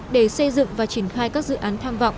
để xây dựng và triển khai các dự án tham vọng